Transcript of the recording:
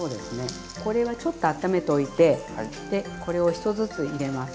これはちょっと温めておいてこれを１つずつ入れます。